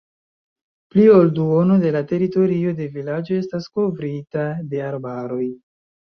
Pli ol duono de la teritorio de vilaĝo estas kovrita de arbaroj.